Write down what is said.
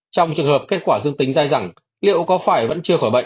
trong trường hợp kết quả dương tính dai rằng liệu có phải vẫn chưa khỏi bệnh